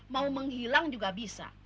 mau menghilang juga bisa